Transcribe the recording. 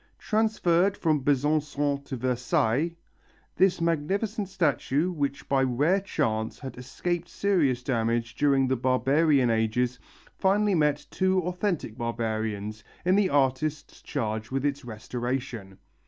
Transferred from Besançon to Versailles, this magnificent statue which by rare chance had escaped serious damage during the barbarian ages finally met two authentic barbarians in the artists charged with its restoration.